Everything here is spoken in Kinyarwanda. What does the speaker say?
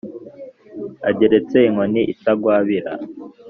ageretse inkoni itagwabira